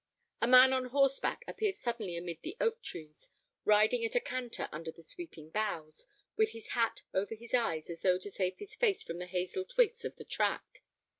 A man on horseback appeared suddenly amid the oak trees, riding at a canter under the sweeping boughs, with his hat over his eyes as though to save his face from the hazel twigs of the track.